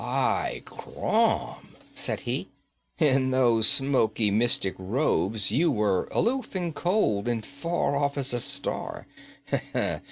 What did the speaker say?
'By Crom!' said he. 'In those smoky, mystic robes you were aloof and cold and far off as a star!